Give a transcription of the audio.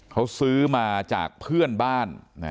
เขาซื้อมาจากเพื่อนบ้าน